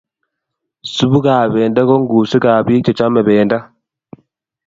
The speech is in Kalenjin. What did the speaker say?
Supukap pendo ko ng'usikap bik che chamei pendo